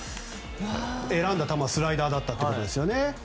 選んだ球はスライダーだったということですね。